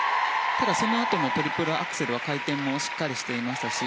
そのあとのトリプルアクセルは回転はしっかりしていましたし